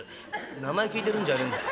「名前聞いてるんじゃねえんだよ。